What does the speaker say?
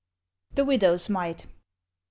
THE WIDOW'S MITE.